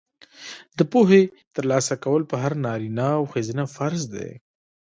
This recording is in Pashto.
د پوهې ترلاسه کول په هر نارینه او ښځینه فرض دي.